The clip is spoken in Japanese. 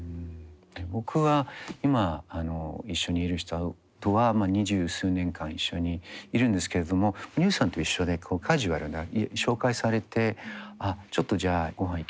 僕は今一緒にいる人とは二十数年間一緒にいるんですけれどもＵさんと一緒でカジュアルな紹介されてあちょっとじゃあごはん行きましょうとかって言って